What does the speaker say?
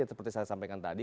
seperti saya sampaikan tadi